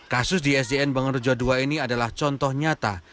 kasus di sdn bangun rejo ii ini adalah contoh nyata